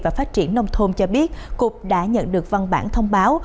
và phát triển nông thôn cho biết cục đã nhận được văn bản thông báo